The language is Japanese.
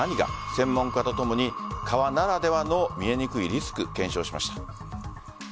専門家とともに川ならではの見えにくいリスクを検証しました。